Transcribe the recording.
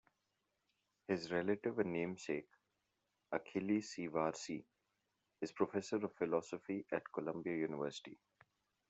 His relative and namesake, Achille C. Varzi, is Professor of Philosophy at Columbia University.